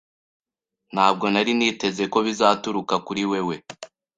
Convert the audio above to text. Ntabwo nari niteze ko bizaturuka kuri wewe.